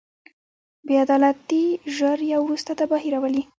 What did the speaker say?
بې عدالتي ژر یا وروسته تباهي راولي.